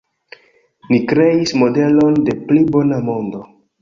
Ni kreis modelon de pli bona mondo.